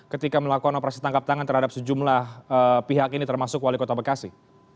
ketika melakukan operasi tangkap tangan terhadap sejumlah pihak ini termasuk wali kota bekasi